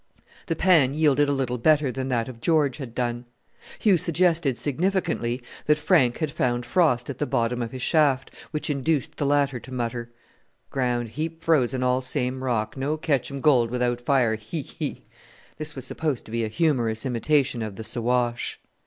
The pan yielded a little better than that of George had done. Hugh suggested, significantly, that Frank had found frost at the bottom of his shaft, which induced the latter to mutter: "Ground heap frozen all same rock, no ketchum gold without fire, he! he!" This was supposed to be a humorous imitation of the Siwash.